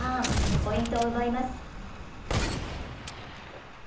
ポイントを奪います。